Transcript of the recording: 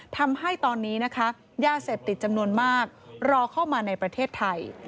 ทำให้ตอนนี้นะคะยาเสพติดจำนวนมากรอเข้ามาในประเทศไทย